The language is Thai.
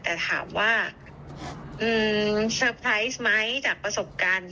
แต่ถามว่าสะพร้ายไหมจากประสบการณ์